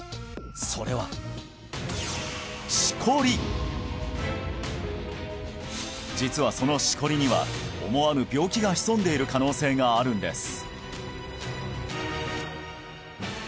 それは実はそのシコリには思わぬ病気が潜んでいる可能性があるんです